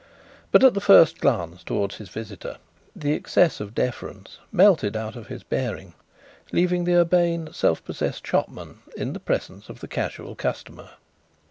But at the first glance towards his visitor the excess of deference melted out of his bearing, leaving the urbane, self possessed shopman in the presence of the casual customer.